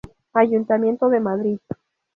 Ayuntamiento de Madrid.